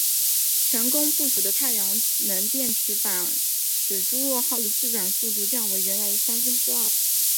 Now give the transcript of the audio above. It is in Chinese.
成功布署的太阳能电池板使朱诺号的自转速度降为原来的三分之二。